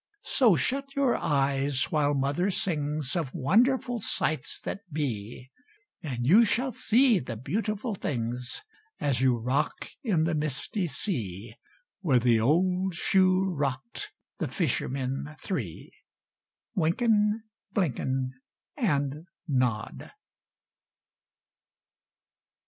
So shut your eyes while mother sings Of wonderful sights that be, And you shall see the beautiful things As you rock in the misty sea, Where the old shoe rocked the fishermen three: Wynken, Blynken, And Nod.